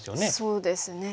そうですね。